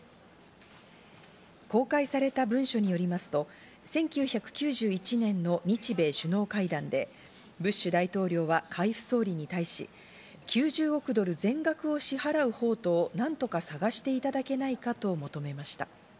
公開された文書によりますと１９９１年の日米首脳会談で、ブッシュ大統領は海部総理に対し、９０億ドル全額を支払う方途を何とか探していただけないかと求めました。